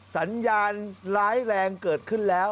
สัญญาณร้ายแรงเกิดขึ้นแล้ว